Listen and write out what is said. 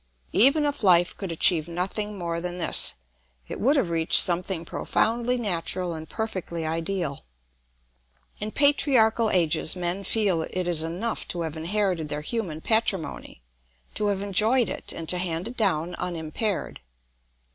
Even if life could achieve nothing more than this, it would have reached something profoundly natural and perfectly ideal. In patriarchal ages men feel it is enough to have inherited their human patrimony, to have enjoyed it, and to hand it down unimpaired.